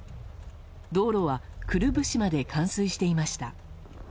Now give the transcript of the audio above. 道路は、くるぶしまで冠水していました。